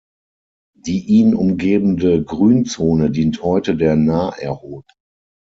Die ihn umgebende Grünzone dient heute der Naherholung.